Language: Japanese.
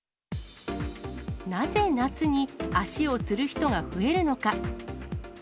なぜ夏に足をつる人が増えるのか。